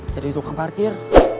cari tukang parkir